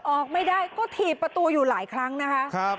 ออกไม่ได้ก็ถีบประตูอยู่หลายครั้งนะคะ